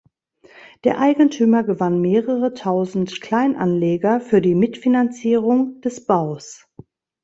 Der Eigentümer gewann mehrere Tausend Kleinanleger für die Mitfinanzierung des Baus.